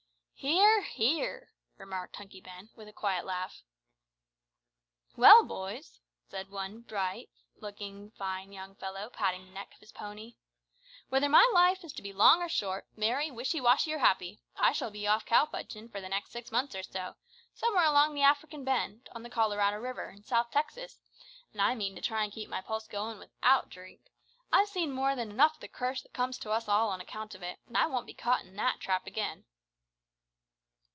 "Hear! hear!" remarked Hunky Ben, with a quiet laugh. "Well, boys," said one fine bright looking young fellow, patting the neck of his pony, "whether my life is to be long or short, merry, wishy washy or happy, I shall be off cow punching for the next six months or so, somewhere about the African bend, on the Colorado River, in South Texas, an' I mean to try an' keep my pulse a goin' without drink. I've seen more than enough o' the curse that comes to us all on account of it, and I won't be caught in that trap again."